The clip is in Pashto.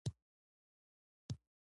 دندې لږې وې.